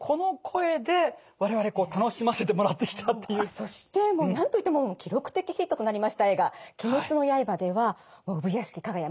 そしてもう何と言っても記録的ヒットとなりました映画「鬼滅の刃」では産屋敷耀哉